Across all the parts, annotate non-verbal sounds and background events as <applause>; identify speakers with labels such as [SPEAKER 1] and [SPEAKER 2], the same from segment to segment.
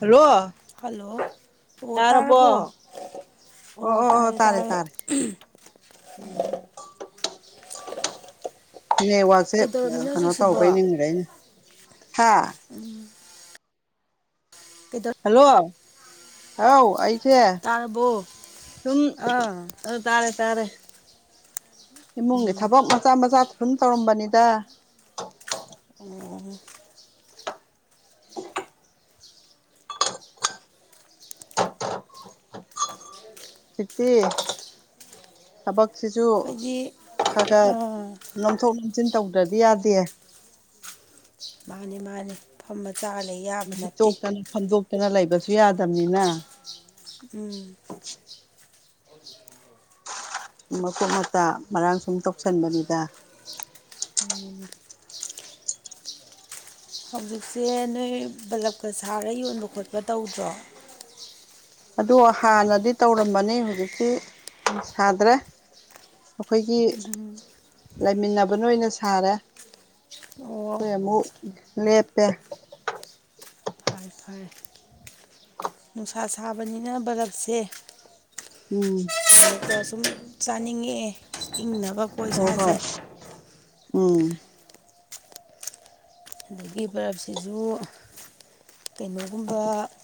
[SPEAKER 1] ꯍꯜꯂꫭ
[SPEAKER 2] ꯍꯜꯂꯣ ꯑꯣ ꯇꯥꯔꯕꯣ ꯑꯣ ꯇꯥꯔꯦ ꯇꯥꯔꯦ <unintelligible>
[SPEAKER 1] <inaudible> ꯅꯦꯠꯋꯥꯛꯁꯦ
[SPEAKER 2] ꯀꯩꯗꯧꯔꯝꯃꯤꯅꯣ
[SPEAKER 1] ꯀꯩꯅꯣ
[SPEAKER 2] ꯍꯧꯖꯤꯛꯁꯤꯕꯣ
[SPEAKER 1] ꯇꯧꯕꯩ ꯅꯤꯡꯉꯨꯔꯦ ꯑꯩꯅ ꯍꯥ
[SPEAKER 2] <unintelligible> ꯀꯩꯗꯧ
[SPEAKER 1] ꯍꯜꯂꯣ ꯑꯥꯎ ꯑꯩꯁꯦ
[SPEAKER 2] ꯇꯥꯔꯕꯣ
[SPEAKER 1] ꯁꯨꯝ
[SPEAKER 2] ꯑꯥ
[SPEAKER 1] ꯇꯥꯔꯦ ꯇꯥꯔꯦ ꯏꯃꯨꯡꯒꯤ ꯊꯕꯛ ꯃꯆꯥ ꯃꯆꯥ ꯁꯨꯝ ꯇꯧꯔꯝꯕꯅꯤꯗ
[SPEAKER 2] ꯑꯣ
[SPEAKER 1] <unintelligible> ꯊꯕꯛꯁꯤꯁꯨ
[SPEAKER 2] ꯑꯩꯈꯣꯏꯗꯤ
[SPEAKER 1] ꯈꯔ ꯈꯔ
[SPEAKER 2] ꯑꯥ
[SPEAKER 1] ꯅꯣꯝꯊꯣꯛ ꯅꫭꯝꯁꯤꯟ ꯇꯧꯗ꯭ꯔꯗꯤ ꯌꯥꯗꯦ
[SPEAKER 2] ꯃꯥꯅꯤ ꯃꯥꯅꯤ ꯐꯝꯃ ꯆꯥ ꯂꯩ ꯌꯥ
[SPEAKER 1] ꯍꯤꯞꯇꯣꯛꯇꯅ ꯐꯝꯗꯣꯛꯇꯅ ꯂꯩꯕꯁꯨ ꯌꯥꯗꯕꯅꯤꯅ
[SPEAKER 2] ꯎꯝ
[SPEAKER 1] <inaudible> ꯃꯀꯨꯞ ꯃꯇꯥ ꯃꯔꯥꯡ ꯁꯨꯝ ꯇꯧꯁꯟꯕꯅꯤꯗ
[SPEAKER 2] ꯎꯝ ꯍꯧꯖꯤꯛꯁꯦ ꯅꯣꯏ ꯕꯂꯞꯀ ꯁꯥꯔ ꯌꯣꯟꯕ ꯈꯣꯠꯄ ꯇꯧꯗ꯭ꯔꯣ
[SPEAKER 1] ꯑꯗꯣ ꯍꯥꯟꯅꯗꯤ ꯇꯧꯔꯝꯕꯅꯤ ꯍꯨꯖꯤꯛꯇꯤ ꯁꯥꯗ꯭ꯔꯦ ꯑꯩꯈꯣꯏꯒꯤ ꯂꯩꯃꯤꯟꯅꯕꯅ ꯑꯣꯏꯅ ꯁꯥꯔꯦ
[SPEAKER 2] ꯑꯣ
[SPEAKER 1] ꯍꯣꯏ ꯑꯃꯨꯛ ꯂꯦꯞꯄꯦ
[SPEAKER 2] ꯐꯔꯦ ꯐꯔꯦ ꯅꯨꯡꯁꯥ ꯁꯥꯕꯅꯤꯅ ꯕꯔꯞꯁꯦ
[SPEAKER 1] ꯎꯝ
[SPEAKER 2] ꯑꯗꯨꯗ ꯁꯨꯝ ꯆꯥꯅꯤꯡꯉꯦꯑꯦ ꯏꯪꯅꯕ
[SPEAKER 1] ꯍꯣ ꯍꯣꯏ ꯎꯝ
[SPEAKER 2] ꯑꯗꯒꯤ ꯕꯔꯞꯁꯤꯖꯨ ꯀꯩꯅꯣꯒꯨꯝꯕ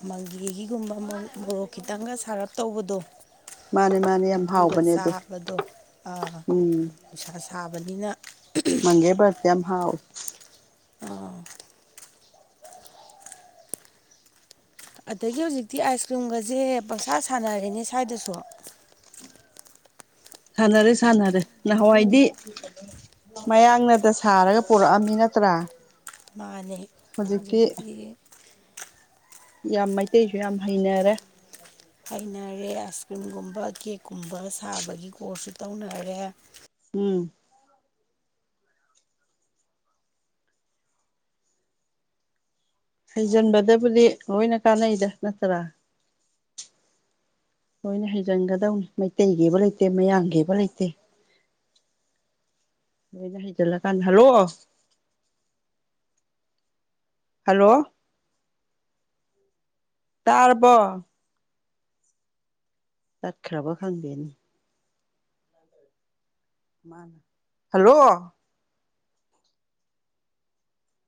[SPEAKER 2] ꯃꯪꯒꯦꯒꯤꯒꯨꯝꯕ ꯃꯣꯔꯣꯛ ꯈꯤꯇꯪꯒ ꯁꯥꯔꯞ ꯇꯧꯕꯗꯣ
[SPEAKER 1] ꯃꯥꯅꯦ ꯃꯥꯅꯦ ꯌꯥꯝ
[SPEAKER 2] ꯑꯗꯨꯒ
[SPEAKER 1] ꯍꯥꯎꯕꯅꯦ ꯑꯗꯣ
[SPEAKER 2] ꯆꯥꯕꯗꯣ ꯑ
[SPEAKER 1] ꯎꯝ
[SPEAKER 2] ꯅꯨꯡꯁꯥ ꯁꯥꯕꯅꯤꯅ
[SPEAKER 1] ꯃꯪꯒꯦ ꯕꯔꯞꯇꯤ ꯌꯥꯝ ꯍꯥꯎꯋꯤ
[SPEAKER 2] ꯑꯗꯒꯤ ꯍꯧꯖꯤꯛꯇꯤ ꯑꯥꯏꯁꯀ꯭ꯔꯤꯝꯒꯁꯦ ꯄꯪꯁꯥ ꯁꯥꯟꯅꯔꯦꯅꯦ ꯁ꯭ꯋꯥꯏꯗꯁꯨ
[SPEAKER 1] ꯁꯥꯟꯅꯔꯦ ꯁꯥꯟꯅꯔꯦ ꯅꯍꯥꯟꯋꯥꯏꯗꯤ ꯃꯌꯥꯡꯅꯗ ꯁꯥꯔꯒ ꯄꫭꯔꯛꯑꯝꯃꯤ ꯅꯠꯇ꯭ꯔ
[SPEAKER 2] ꯃꯥꯅꯦ ꯍꯨꯖꯤꯛꯇꯤ
[SPEAKER 1] ꯌꯥꯝ ꯃꯩꯇꯩꯁꯨ ꯌꯥꯝ ꯍꯩꯅꯔꯦ
[SPEAKER 2] ꯍꯩꯅꯔꯦ ꯑꯥꯏꯁ ꯀ꯭ꯔꯤꯝꯒꯨꯝꯕ ꯀꯦꯛꯀꯨꯝꯕ ꯁꯥꯕꯒꯤ ꯀꯣꯔꯁꯁꯨ ꯇꯧꯅꯔꯦ
[SPEAKER 1] ꯎꯝ ꯍꯩꯖꯟꯕꯗꯕꯨꯗꯤ ꯂꯣꯏꯅ ꯀꯥꯟꯅꯩꯗ ꯅꯠꯇ꯭ꯔ ꯂꯣꯏꯅ ꯍꯩꯖꯟꯒꯗꯧꯅꯤ ꯃꯩꯇꯩꯒꯤꯕ ꯂꯩꯇꯦ ꯃꯌꯥꯡꯒꯤꯕ ꯂꯩꯇꯦ <unintelligible> ꯍꯩꯖꯜꯂꯀꯥꯟꯗ ꯍꯜꯂꫭ ꯍꯜꯂꯣ ꯇꯥꯔꯕꯣ ꯇꯠꯈ꯭ꯔꯕ ꯈꯪꯗꯦꯅꯦ ꯍꯜꯂꯣ